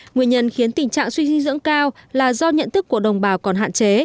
nguyên nhân khiến tình trạng suy dinh dưỡng cao là do nhận thức của đồng bào còn hạn chế